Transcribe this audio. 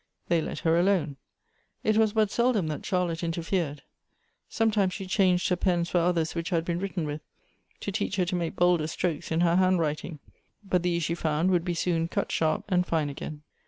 They let her alone. It was but seldom that Charlotte interfered. Sometimes she changed her pens for others which had been written with, to teach her to make bolder strokes in her handwriting, but these, she found, would be soon cut sharp and fine again.